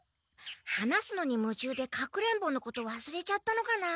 話すのにむちゅうでかくれんぼのことわすれちゃったのかな。